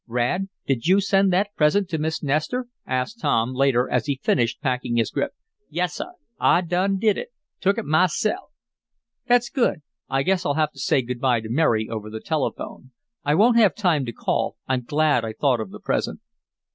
"Rad, did you send that present to Miss Nestor?" asked Tom, later, as he finished packing his grip. "Yas, sah. I done did it. Took it mase'f!" "That's good! I guess I'll have to say good bye to Mary over the telephone. I won't have time to call. I'm glad I thought of the present."